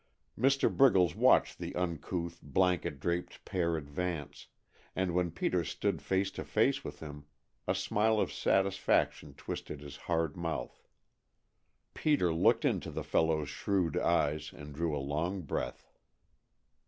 Mr. Briggles watched the uncouth, blanket draped pair advance, and when Peter stood face to face with him, a smile of satisfaction twisted his hard mouth. Peter looked into the fellow's shrewd eyes and drew a long breath.